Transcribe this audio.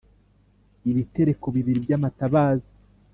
ibitereko bibiri by amatabaza